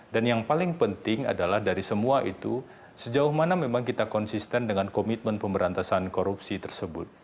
dan yang paling penting adalah dari semua itu sejauh mana memang kita konsisten dengan komitmen pemberantasan korupsi tersebut